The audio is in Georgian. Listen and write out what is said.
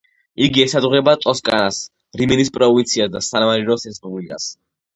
იგი ესაზღვრება ტოსკანას, რიმინის პროვინციას და სან-მარინოს რესპუბლიკას.